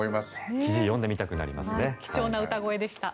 記事を読んでみたくなりますね。